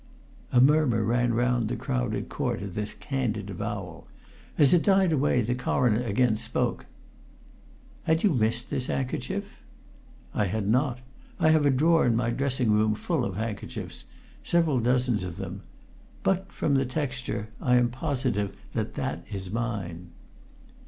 A murmur ran round the crowded court at this candid avowal; as it died away the Coroner again spoke: "Had you missed this handkerchief?" "I had not. I have a drawer in my dressing room full of handkerchiefs several dozens of them. But from the texture I am positive that that is mine."